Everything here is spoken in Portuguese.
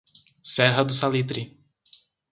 Serra do Salitre